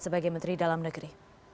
sebagai menteri dalam negeri